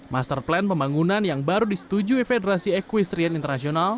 master plan pembangunan yang baru disetujui federasi equestrian internasional